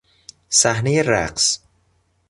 صحنهی رقص